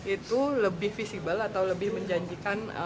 itu lebih visible atau lebih menjanjikan